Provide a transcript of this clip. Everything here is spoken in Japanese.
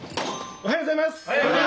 おはようございます！